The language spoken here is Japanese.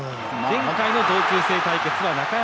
前回の同級生対決は中山